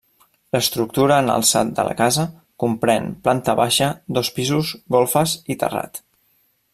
L'estructura en alçat de la casa comprèn planta baixa, dos pisos, golfes i terrat.